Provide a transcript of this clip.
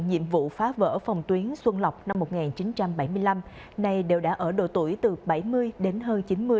các vở phòng tuyến xuân lọc năm một nghìn chín trăm bảy mươi năm này đều đã ở độ tuổi từ bảy mươi đến hơn chín mươi